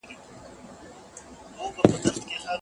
روغتیایي ټولنپوهان د خپلو ناروغانو د ښېګڼې مسؤلیت په غاړه اخلي.